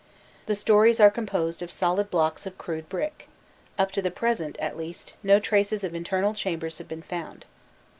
The stories are composed of solid blocks of crude brick; up to the present, at least, no traces of internal chambers have been found.